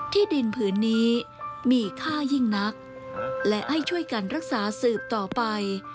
ที่ดินผืนนี้มีค่ายิ่งนักและให้ช่วยกันรักษาสืบต่อไป